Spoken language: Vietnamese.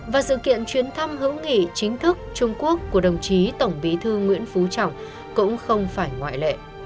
và sự kiện chuyến thăm hữu nghị chính thức trung quốc của đồng chí tổng bí thư nguyễn phú trọng cũng không phải ngoại lệ